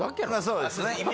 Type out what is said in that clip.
そうですね